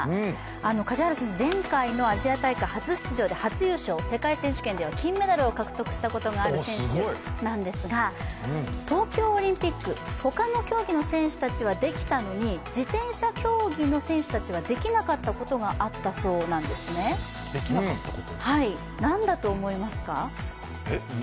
梶原選手、前回のアジア大会で初出場初優勝、世界選手権では金メダルも獲得したことのある選手なんですが、東京オリンピック、他の競技の選手たちはできたのに自転車競技の選手たちはできなかったことがあったそうなんですね、なんだと思いますか？